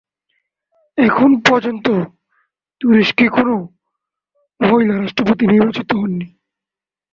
এখন পর্যন্ত, তুরস্কে কোনো মহিলা রাষ্ট্রপতি নির্বাচিত হন নি।